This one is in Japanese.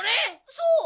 そう！